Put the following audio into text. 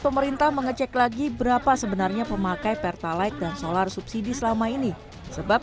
pemerintah mengecek lagi berapa sebenarnya pemakai pertalite dan solar subsidi selama ini sebab